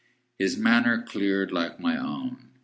His manner cleared, like my own.